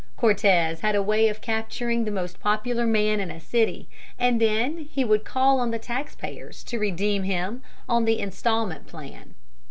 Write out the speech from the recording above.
Cortez had a way of capturing the most popular man in a city, and then he would call on the tax payers to redeem him on the instalment plan.